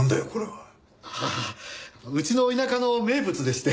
ははうちの田舎の名物でして。